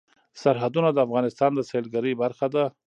سرحدونه د افغانستان د سیلګرۍ برخه ده.